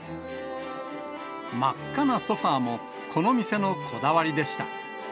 真っ赤なソファもこの店のこだわりでした。